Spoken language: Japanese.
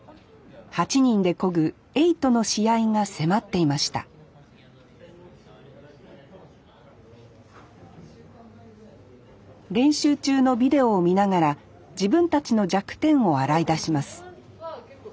８人で漕ぐ「エイト」の試合が迫っていました練習中のビデオを見ながら自分たちの弱点を洗い出します